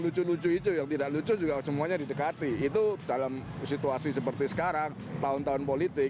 lucu lucu itu yang tidak lucu juga semuanya didekati itu dalam situasi seperti sekarang tahun tahun politik